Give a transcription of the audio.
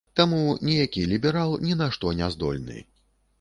Таму ніякі ліберал ні на што не здольны.